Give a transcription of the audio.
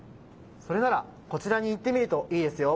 それならこちらに行ってみるといいですよ。